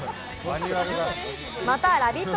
またラヴィット！